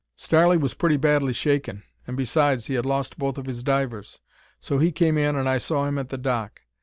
"Starley was pretty badly shaken and besides he had lost both of his divers, so he came in and I saw him at the dock.